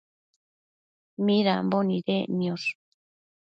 midambo nidec niosh ?